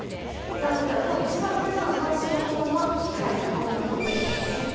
今日一番皆さんが関心を持ったのはやはりコロナのニュースですね。